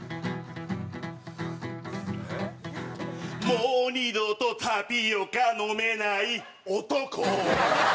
「もう二度とタピオカ飲めない」「男」